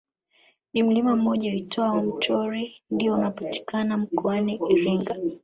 Ni mlima mmoja uitwao Mtorwi ndiyo unapatikana mkoani Iringa